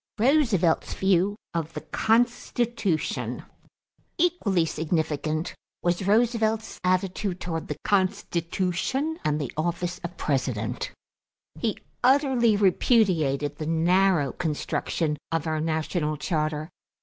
=Roosevelt's View of the Constitution.= Equally significant was Roosevelt's attitude toward the Constitution and the office of President. He utterly repudiated the narrow construction of our national charter.